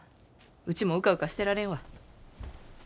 ウチもうかうかしてられんわ。